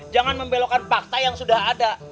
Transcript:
jangan membelokkan fakta yang sudah ada